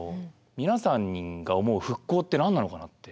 皆さんが思う復興って何なのかなって。